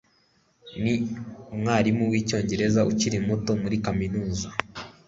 Ni umwarimu wicyongereza ukiri muto muri kaminuza.